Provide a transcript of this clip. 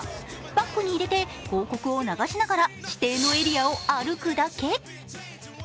バッグに入れて広告を流しながら指定のエリアを歩くだけ。